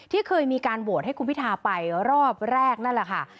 ที่เคยมีการโหวตให้คุณพิทาไปรอบแรกนั่นแหละค่ะ